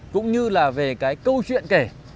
cũng như là về cái câu chuyện kể